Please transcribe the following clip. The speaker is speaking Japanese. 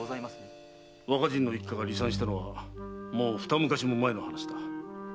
和歌仁の一家が離散したのはもうふた昔も前の話だ。